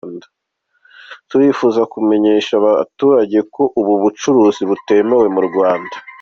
Turifuza kumenyesha abaturage ko ubu bucuruzi butemewe mu Rwanda.”